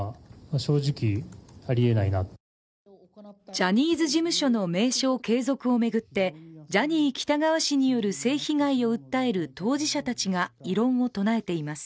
ジャニーズ事務所の名称継続を巡ってジャニー喜多川氏による性被害を訴える当事者たちが異論を唱えています。